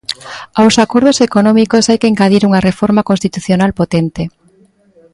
Aos acordos económicos hai que engadir unha reforma constitucional potente.